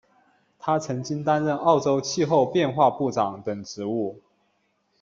他曾经担任澳洲气候变化部长等职务。